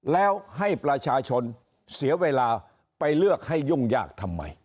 แล้วให้ประชาชนเสียเวลาไปเลือกให้ยุ่งยากทำไม